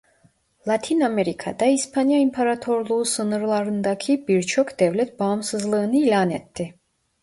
Latin Amerika'da İspanya İmparatorluğu sınırlarındaki birçok devlet bağımsızlığını ilan etti.